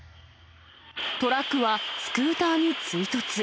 トラックはスクーターに追突。